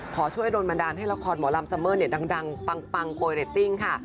ขอช่วยโดนบันดาลให้ละครหมอลำซัมเมอร์เนี่ยดังปังโกยเรตติ้งค่ะ